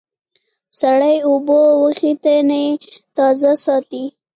سړې اوبه وېښتيان تازه ساتي.